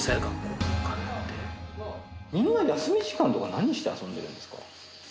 みんな休み時間とか何して遊んでるんですか？